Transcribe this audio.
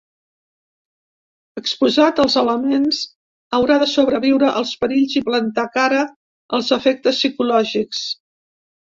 Exposat als elements, haurà de sobreviure als perills i plantar cara als efectes psicològics.